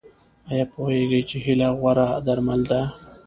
ایا پوهیږئ چې هیله غوره درمل ده؟